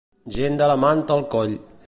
Gent de la manta al coll.